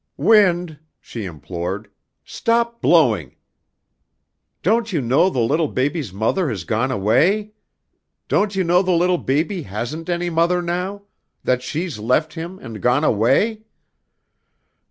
"Wind," she implored. "Stop blowing. Don't you know the little baby's mother has gone away? Don't you know the little baby hasn't any mother now; that she's left him and gone away?"